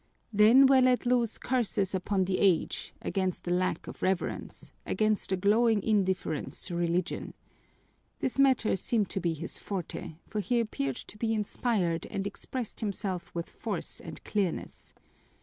Then were let loose curses upon the age, against the lack of reverence, against the growing indifference to Religion. This matter seemed to be his forte, for he appeared to be inspired and expressed himself with force and clearness.